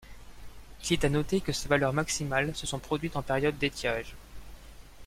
Il est à noter que ces valeurs maximales se sont produites en période d'étiage.